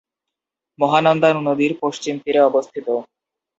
মহানন্দা নদীর পশ্চিম তীরে অবস্থিত।